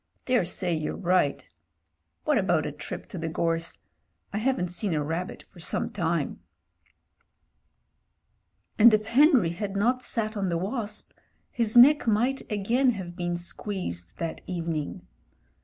"Daresay you're right What about a trip to the gorse? I haven't seen a rabbit for some time." And if Henry had not sat on the wasp, his neck might again have been squeezed that evening.